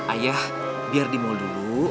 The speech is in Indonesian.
ayah biar di mal dulu